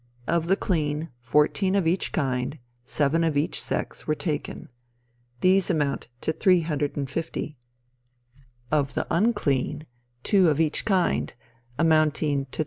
Of the clean, fourteen of each kind seven of each sex were taken. These amount to 350. Of the unclean two of each kind, amounting to 3,266.